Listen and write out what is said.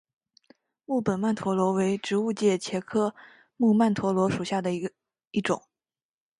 木本曼陀罗为植物界茄科木曼陀罗属下的一种。